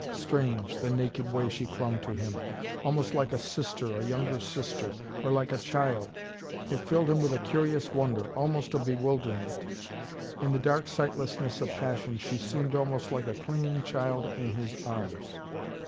Strange, the naked way she clung to him! Almost like a sister, a younger sister! Or like a child! It filled him with a curious wonder, almost a bewilderment. In the dark sightlessness of passion, she seemed almost like a clinging child in his arms.